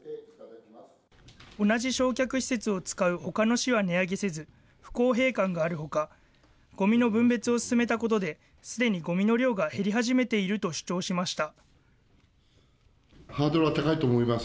同じ焼却施設を使うほかの市は値上げせず、不公平感があるほか、ごみの分別を進めたことで、すでにごみの量が減り始めていると主張しました。